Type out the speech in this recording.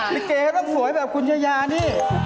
ลิเกก็ต้องสวยแบบคุณยายานี่